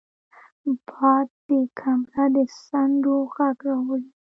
باد د کمره د څنډو غږ راوړي